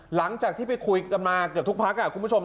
หลังจากที่ไปคุยกันมาเกือบทุกพักคุณผู้ชม